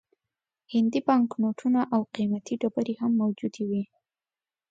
هندي بانک نوټونه او قیمتي ډبرې هم موجودې وې.